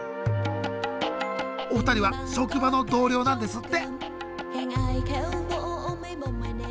お二人は職場の同僚なんですって。